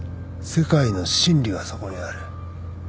世界の真理がそこにある